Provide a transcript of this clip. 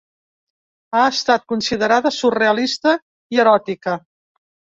Ha estat considerada surrealista i eròtica.